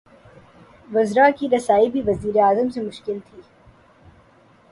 وزرا کی رسائی بھی وزیر اعظم سے مشکل تھی۔